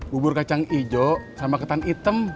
bubur kacang ijo sama ketan item